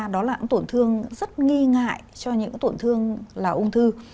đó là cũng tổn thương rất nghi ngại cho những tổn thương là ung thư